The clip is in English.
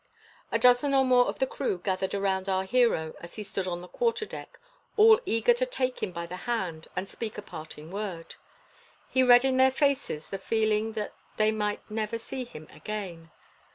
A dozen or more of the crew gathered around our hero as he stood on the quarterdeck, all eager to take him by the hand and speak a parting word. He read in their faces the feeling that they might never see him again.